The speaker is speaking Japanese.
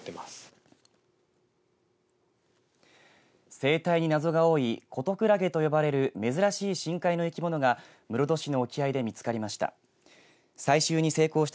生態になぞが多いコトクラゲと呼ばれる珍しい深海の生き物が室戸市の沖合で見つかりました。